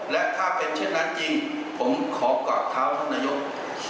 และถ้าเป็นเช่นนั้นจริงผมขอกลับเท้าท่านนายก